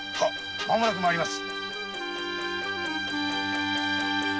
まもなく参ります。